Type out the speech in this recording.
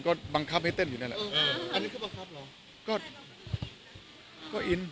ก็บังคับให้เต้นอยู่นั่นแหละเอออันนี้ก็บังคับเหรอก็ก็อิน